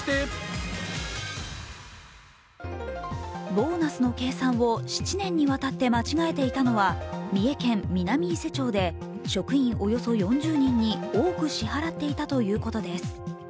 ボーナスの計算を７年にわたって間違えていたのは三重県南伊勢町で、職員およそ４０人に多く支払っていたということです。